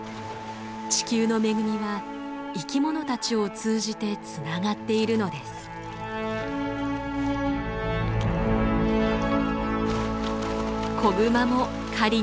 地球の恵みは生き物たちを通じてつながっているのです。